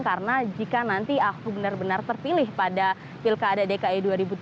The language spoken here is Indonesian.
karena jika nanti ahok benar benar terpilih pada pilkada dki dua ribu tujuh belas